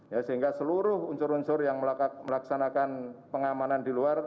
ya sehingga seluruh unsur unsur yang melaksanakan pengamanan di luar